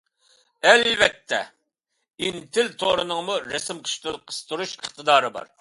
ئەلۋەتتە ئىنتىل تورىنىڭمۇ رەسىم قىستۇرۇش ئىقتىدارى بار.